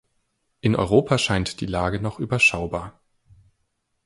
In Europa scheint die Lage noch überschaubar.